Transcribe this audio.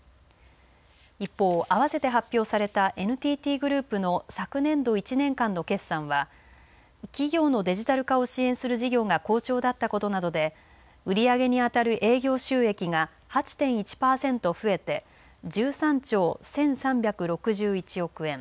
一方、あわせて発表されたＮＴＴグループの昨年度１年間の決算は企業のデジタル化を支援する事業が好調だったことなどで売り上げに当たる営業収益が８．１パーセント増えて１３兆１３６１億円。